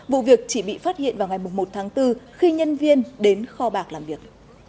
vụ việc chỉ bị phát hiện vào ngày một tháng bốn khi nhân viên đến kho bạc làm việc